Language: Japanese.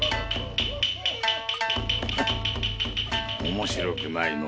面白くもないのう。